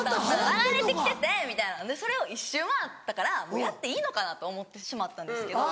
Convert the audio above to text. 流れてきててみたいなそれを一周回ったからやっていいのかなと思ってしまったんですけど。